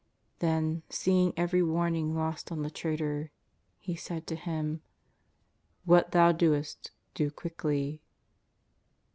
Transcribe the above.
Then, seeing every warning lost on the traitor, He said to him: " What thou doest do quickly."